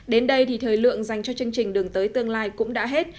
đến đây thì thời lượng dành cho chương trình đường tới tương lai cũng đã hết